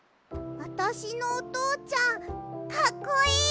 あたしのおとうちゃんかっこいい？